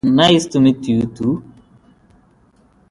Vororte usually have their own business centre.